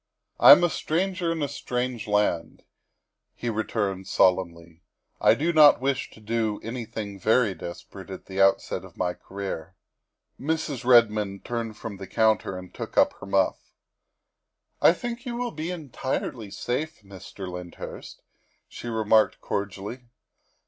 " I am a stranger in a strange land," he returned solemnly. " I do not wish to do anything very desper ate at the outset of my career." Mrs. Redmond turned from the counter and took up her muff. " I think you will be entirely safe, Mr. Lyndhurst," she remarked cordially.